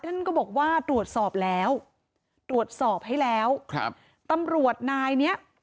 ท่านก็บอกว่าตรวจสอบแล้วตรวจสอบให้แล้วครับตำรวจนายเนี้ย